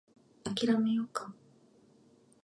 諦めようか